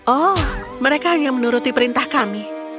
oh mereka hanya menuruti perintah kami